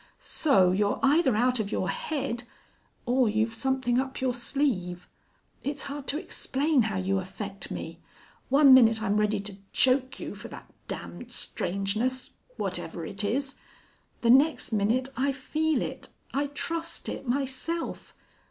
So, you're either out of your head or you've something up your sleeve. It's hard to explain how you affect me. One minute I'm ready to choke you for that damned strangeness whatever it is. The next minute I feel it I trust it, myself....